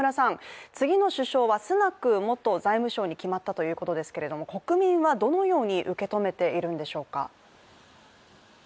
次の首相はスナク元財務相に決まったということですけれども国民はどのように受け止めているんでしょうか？